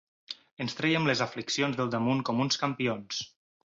Ens trèiem les afliccions del damunt com uns campions.